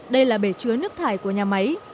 đây là bể chứa nước thải của nhà máy